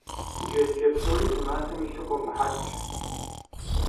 Джэдыкӏэ псори зы матэм илъу къыумыхьэкӏ.